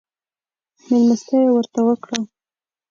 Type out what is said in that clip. مېلمستيا يې ورته وکړه.